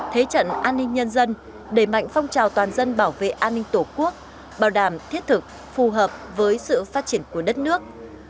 thế trận an ninh nhân dân đẩy mạnh phong trào toàn dân bảo vệ an ninh tổ quốc bảo đảm thiết thực phù hợp với sự phát triển của đất nước